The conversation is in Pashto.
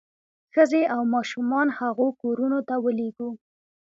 ښځې او ماشومان هغو کورونو ته ولېږو.